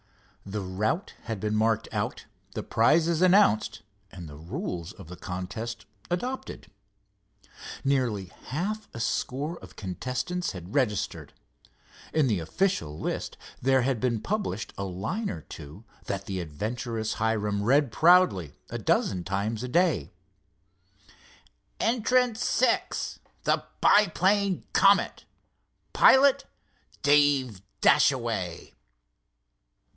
The route had been marked out, the prizes announced and the rules of the contest adopted. Nearly half a score of contestants had registered. In the official list there had been published a line or two that the adventurous Hiram read proudly a dozen times a day: "Entrant VI—the biplane Comet, pilot Dave Dashaway."